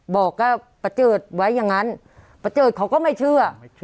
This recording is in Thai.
บอกว่าประเจิดไว้อย่างนั้นประเจิดเขาก็ไม่เชื่อ